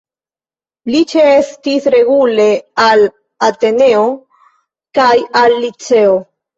Li ĉeestis regule al Ateneo kaj al Liceo.